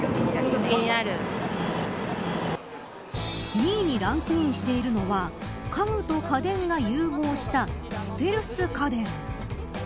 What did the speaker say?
２位にランクインしている家具と家電が融合したステルス家電。